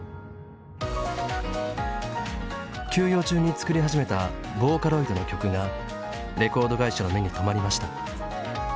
休養中に作り始めたボーカロイドの曲がレコード会社の目に留まりました。